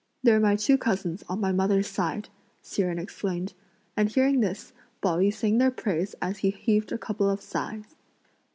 "They're my two cousins on my mother's side," Hsi Jen explained, and hearing this, Pao yü sang their praise as he heaved a couple of sighs.